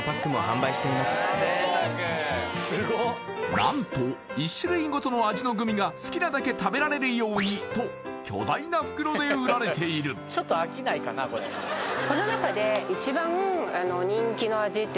何と１種類ごとの味のグミが好きなだけ食べられるように！と巨大な袋で売られているなぜかは分からないらしい